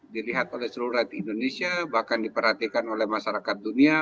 dilihat oleh seluruh rakyat indonesia bahkan diperhatikan oleh masyarakat dunia